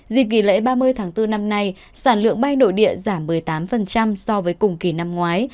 dịp nghỉ lễ ba mươi tháng bốn năm nay sản lượng bay nội địa giảm một mươi tám so với cùng kỳ năm ngoái